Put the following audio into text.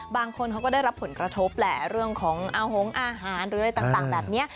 บางคนเขาก็ได้รับผลกระทบแหละเรื่องของอาหงอาหารหรืออะไรต่างแบบนี้